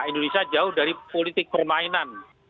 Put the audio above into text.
indonesia jauh dari politik permainan